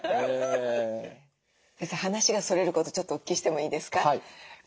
先生話がそれることちょっとお聞きしてもいいですか？